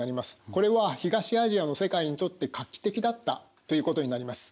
これは東アジアの世界にとって画期的だったということになります。